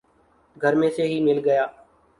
گھر میں سے ہی مل گیا